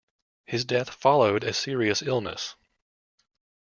His death followed a serious illness.